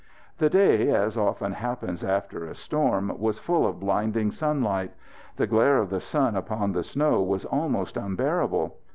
The day, as often happens after a storm, was full of blinding sunlight. The glare of the sun upon the snow was almost unbearable.